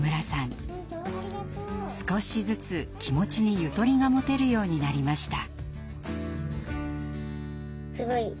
少しずつ気持ちにゆとりが持てるようになりました。